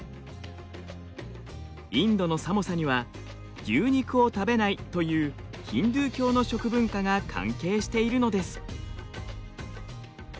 インドのサモサには牛肉を食べないというヒンドゥー教の食文化が関係しているのです。